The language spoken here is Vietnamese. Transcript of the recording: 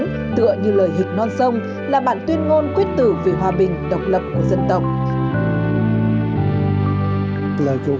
ấn tượng như lời hịch non sông là bản tuyên ngôn quyết tử về hòa bình độc lập của dân tộc